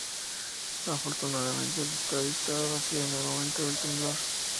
Afortunadamente, el estadio estaba vacío en el momento del temblor.